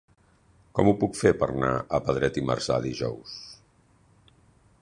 Com ho puc fer per anar a Pedret i Marzà dijous?